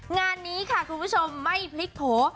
งานนี้ค่ะคุณผู้ชมไม่พลิกโผล่